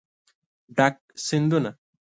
ډک سیندونه